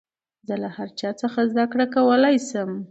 زه له هر چا څخه زدکړه کولاى سم.